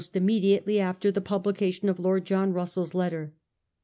369 diately after the publication of Lord John Russell's letter.